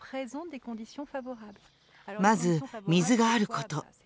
まず水があること。